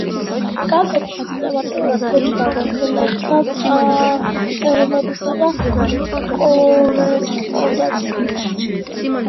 გაზეთი სისტემატურად ბეჭდავდა გლეხთა წერილებსა და კორესპონდენციებს.